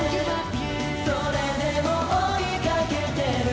「それでも追いかけてる」